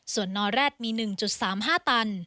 ส่วนนอแร็ดมี๑๓๕ตัน